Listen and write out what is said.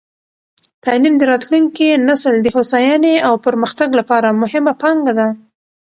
تعلیم د راتلونکې نسل د هوساینې او پرمختګ لپاره مهمه پانګه ده.